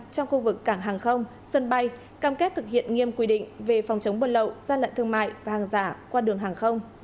trong khu vực cảng hàng không sân bay cam kết thực hiện nghiêm quy định về phòng chống buôn lậu gian lận thương mại và hàng giả qua đường hàng không